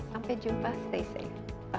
sampai jumpa stay safe